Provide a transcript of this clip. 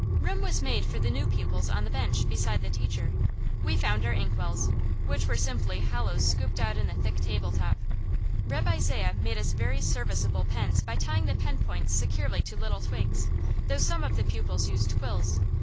Room was made for the new pupils on the bench, beside the teacher. We found our inkwells, which were simply hollows scooped out in the thick table top. Reb' Isaiah made us very serviceable pens by tying the pen points securely to little twigs; though some of the pupils used quills.